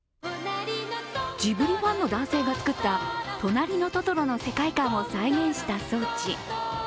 ジブリファンの男性が作った「となりのトトロ」の世界観を再現した装置。